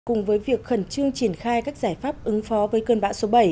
cùng với việc khẩn trương triển khai các giải pháp ứng phó với cơn bão số bảy